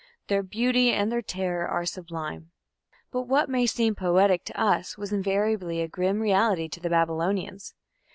Their "beauty and their terror are sublime". But what may seem poetic to us, was invariably a grim reality to the Babylonians.